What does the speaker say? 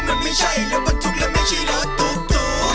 มันไม่ใช่รถประทุกข์มันไม่ใช่รถตุ๊กตุ๊ก